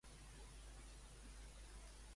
Què tal et va tot a la vida?